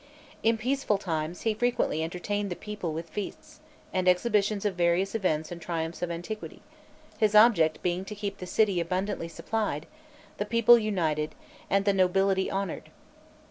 In peaceful times, he frequently entertained the people with feasts, and exhibitions of various events and triumphs of antiquity; his object being to keep the city abundantly supplied, the people united, and the nobility honored.